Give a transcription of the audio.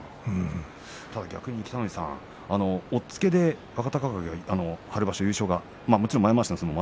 逆に北の富士さん押っつけて若隆景春場所優勝がありました。